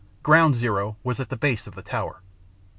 Ground Zero was at the base of the tower.